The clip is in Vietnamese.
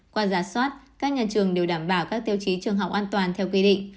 qua giả soát các nhà trường đều đảm bảo các tiêu chí trường học an toàn theo quy định